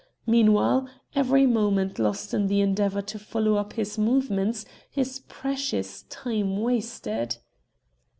Meanwhile, every moment lost in the endeavour to follow up his movements is precious time wasted."